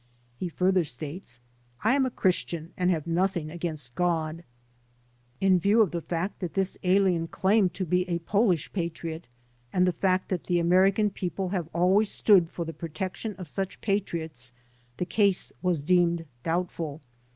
He further states : "I am a Christian and have nothing against God." In view of the fact that this alien claimed to be a Polish patriot and the fact that the American people have always stood for the protection of such patriots the case was deemed doubtful.